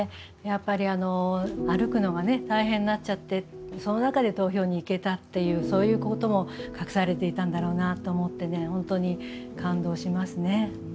やっぱり歩くのが大変になっちゃってその中で投票に行けたっていうそういうことも託されていたんだろうなと思って本当に感動しますね。